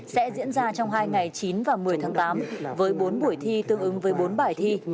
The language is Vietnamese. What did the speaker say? sẽ diễn ra trong hai ngày chín và một mươi tháng tám với bốn buổi thi tương ứng với bốn bài thi